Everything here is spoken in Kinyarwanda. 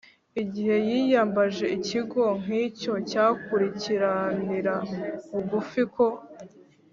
igihe yiyambaje ikigo nk’icyo cyakurikiranira bugufi ko